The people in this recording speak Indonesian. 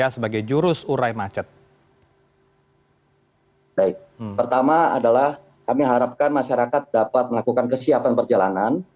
baik pertama adalah kami harapkan masyarakat dapat melakukan kesiapan perjalanan